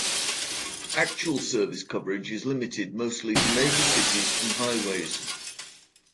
Actual service coverage is limited mostly to major cities and highways.